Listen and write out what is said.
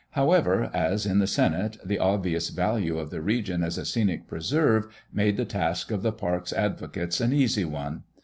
However, as in the Senate, the obvious value of the region as a scenic preserve made the task of the park's advocates an easy one.